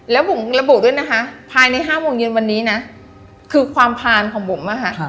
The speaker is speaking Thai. แล้วบุ๋มระบุด้วยนะคะภายใน๕โมงเย็นวันนี้นะคือความผ่านของบุ๋มอะค่ะ